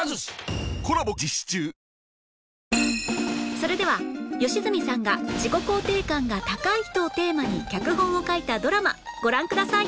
それでは吉住さんが自己肯定感が高い人をテーマに脚本を書いたドラマご覧ください